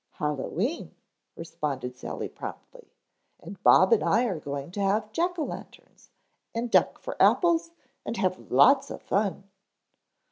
"Hallowe'en," responded Sally promptly. "And Bob and I are going to have jack o' lanterns, and duck for apples and have lots of fun."